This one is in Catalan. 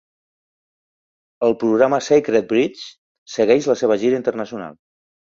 El programa "Sacred Bridge" segueix la seva gira internacional.